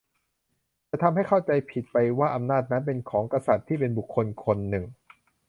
จะทำให้เข้าใจผิดไปว่าอำนาจนั้นเป็นของกษัตริย์ที่เป็นบุคคลคนหนึ่ง